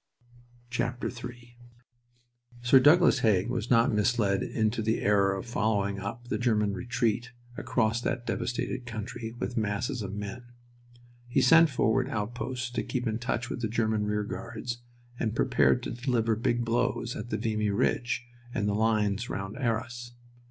III Sir Douglas Haig was not misled into the error of following up the German retreat, across that devastated country, with masses of men. He sent forward outposts to keep in touch with the German rear guards and prepared to deliver big blows at the Vimy Ridge and the lines round Arras.